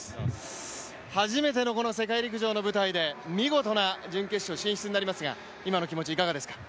初めての世界陸上の舞台で見事な準決勝進出になりますが、今の気持ちいかがですか。